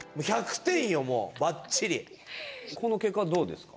この結果はどうですか？